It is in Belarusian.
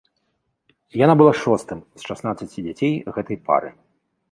Яна была шостым з шаснаццаці дзяцей гэтай пары.